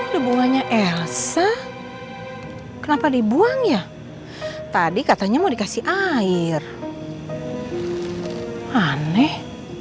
udah buahnya elsa kenapa dibuang ya tadi katanya mau dikasih air aneh